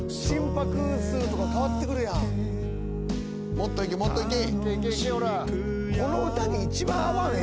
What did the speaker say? もっといけもっといけ。